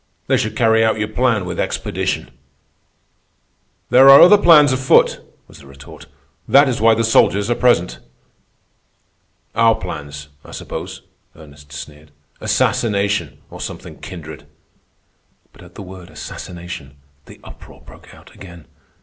"They should carry out your plan with expedition." "There are other plans afoot," was the retort. "That is why the soldiers are present." "Our plans, I suppose," Ernest sneered. "Assassination or something kindred." But at the word "assassination" the uproar broke out again.